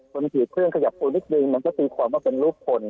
คนผิดเครื่องขยับโพลนิดนึงมันก็ตีความว่าเป็นรูปผล